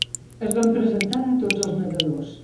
Ens van presentar a tots els nedadors.